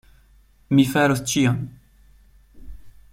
Mi faros ĉion!